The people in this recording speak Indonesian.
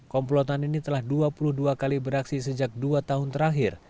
komplotan ini telah dua puluh dua kali beraksi sejak dua tahun terakhir